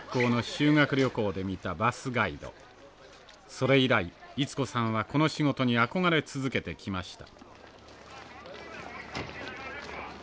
それ以来溢子さんはこの仕事に憧れ続けてきました。